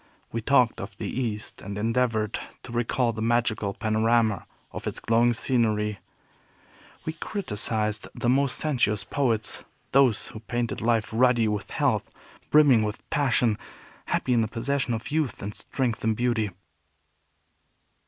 We talked of the East, and endeavored to recall the magical panorama of its glowing scenery. We criticized the most sensuous poets, those who painted life ruddy with health, brimming with passion, happy in the possession of youth and strength and beauty.